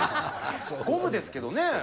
ゴムですけどね。